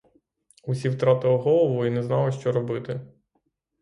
Усі втратили голову і не знали, що робити.